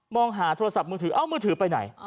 หาโทรศัพท์มือถือเอามือถือไปไหน